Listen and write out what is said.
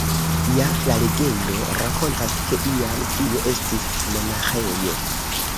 Ja, la legendo rakontas, ke iam tie estis monaĥejo.